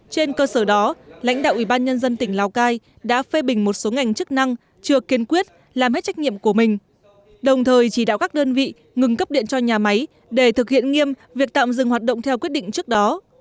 trên cơ sở đó lãnh đạo ủy ban nhân dân tỉnh lào cai đã phê bình một số ngành chức năng chưa kiên quyết làm hết trách nhiệm của mình đồng thời chỉ đạo các đơn vị ngừng cấp điện cho nhà máy để thực hiện nghiêm việc tạm dừng hoạt động theo quyết định trước đó